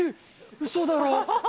うそだろ。